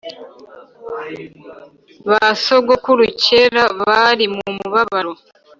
basogokuru kera bari mumubabaro